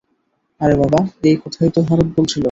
আরে বাবা, এই কথাই তো ভারত বলছিলো।